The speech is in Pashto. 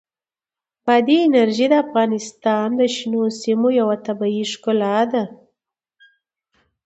بادي انرژي د افغانستان د شنو سیمو یوه طبیعي ښکلا ده.